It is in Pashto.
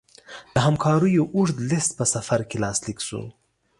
د همکاریو اوږد لېست په سفر کې لاسلیک شو.